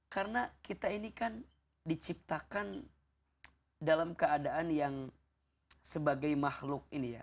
karena kita ini kan diciptakan dalam keadaan yang sebagai makhluk ini ya